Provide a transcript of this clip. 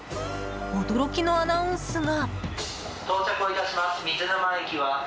驚きのアナウンスが。